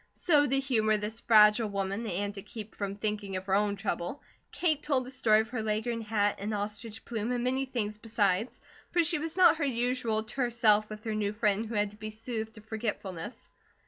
So to humour this fragile woman, and to keep from thinking of her own trouble, Kate told the story of her Leghorn hat and ostrich plume, and many things besides, for she was not her usual terse self with her new friend who had to be soothed to forgetfulness.